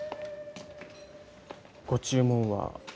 ご注文は。